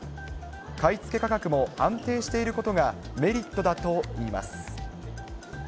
買い付け価格も安定していることがメリットだといいます。